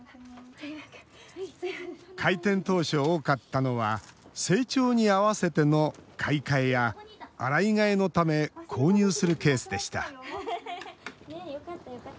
開店当初、多かったのは成長に合わせての買い替えや洗い替えのため購入するケースでした。